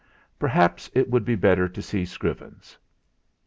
Perhaps it would be better to see Scrivens'.